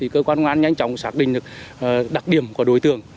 cơ quan công an nhanh chóng xác định được đặc điểm của đối tượng